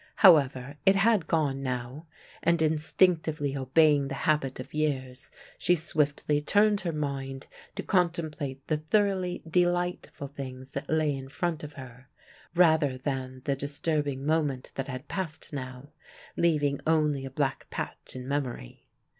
However, it had gone now, and instinctively obeying the habit of years, she swiftly turned her mind to contemplate the thoroughly delightful things that lay in front of her, rather than the disturbing moment that had passed now, leaving only a black patch in memory.